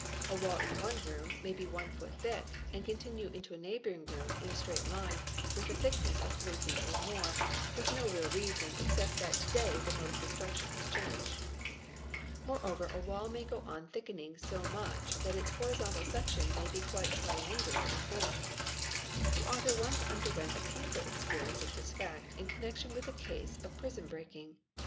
A wall in one room may be one foot thick and contihue into a neighbouring room in a straight line with a thickness of 3 feet or more, with no real reason except that to day the mode of construction has changed. Moreover a wall may go on thickening so much that its horizontal section may be quite triangular in form. The author once underwent a painful experience of this fact in + connection with a case of prison breaking.